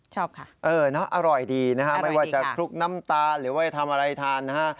ชอบค่ะเออนะอร่อยดีนะฮะไม่ว่าจะคลุกน้ำตาหรือว่าทำอะไรทานนะฮะ